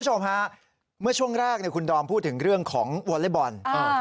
คุณผู้ชมฮะเมื่อช่วงแรกคุณดอมพูดถึงเรื่องของวอเล็กบอล